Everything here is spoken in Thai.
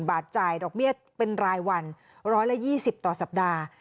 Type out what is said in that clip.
บาทจ่ายดอกเบี้ยเป็นรายวัน๑๒๐ต่อสัปดาห์